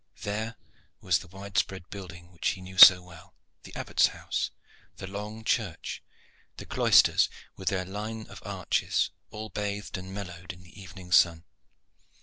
There was the wide spread building which he knew so well, the Abbot's house, the long church, the cloisters with their line of arches, all bathed and mellowed in the evening sun.